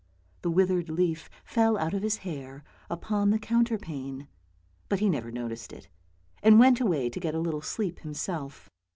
The withered leaf fell out of his hair upon the counterpane; but he never noticed it, and went away to get a little sleep himself.